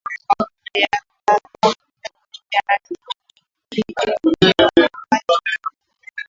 Mafuta ya karafuu yana kichocheo ambacho kina nguvu